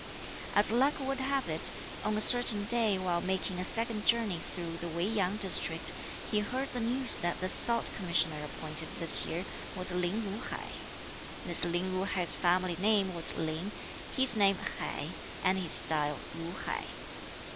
As luck would have it, on a certain day while making a second journey through the Wei Yang district, he heard the news that the Salt Commissioner appointed this year was Lin Ju hai. This Lin Ju hai's family name was Lin, his name Hai and his style Ju hai.